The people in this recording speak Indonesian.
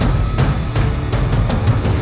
yang abu yang kemarau